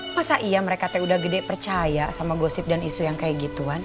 masa iya mereka udah gede percaya sama gosip dan isu yang kayak gituan